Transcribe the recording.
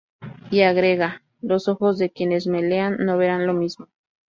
Y agrega: “Los ojos de quienes me lean no verán lo mismo.